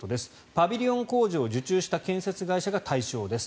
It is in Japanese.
パビリオン工事を受注した建設会社が対象です。